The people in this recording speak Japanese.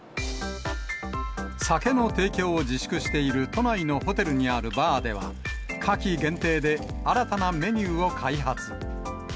酒の提供を自粛している都内のホテルにあるバーでは、夏季限定で、新たなメニューを開発。